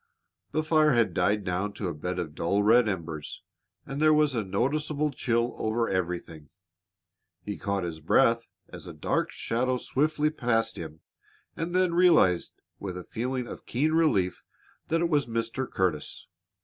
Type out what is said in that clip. The fire had died down to a bed of dull red embers, and there was a noticeable chill over everything. He caught his breath as a dark shadow swiftly passed him and then realized, with a feeling of keen relief, that it was Mr. Curtis.